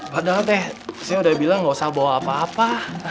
padahal teh saya udah bilang gak usah bawa apa apa